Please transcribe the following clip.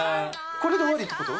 これで終わりってこと？